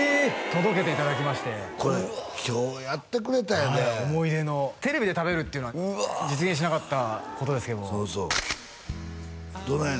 届けていただきましてこれ今日やってくれたんやでテレビで食べるっていうのは実現しなかったことですけどもどない？